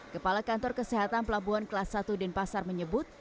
kepala kantor kesehatan pelabuhan kelas satu denpasar menyebut